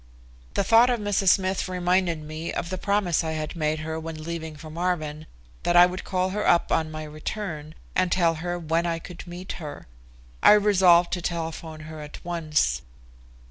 The thought of Mrs. Smith reminded me of the promise I had made her when leaving for Marvin that I would call her up on my return and tell her when I could meet her. I resolved to telephone her at once.